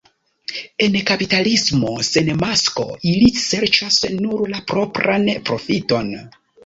En kapitalismo sen masko ili serĉas nur la propran profiton.